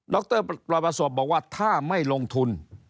รปลอยประสบบอกว่าถ้าไม่ลงทุน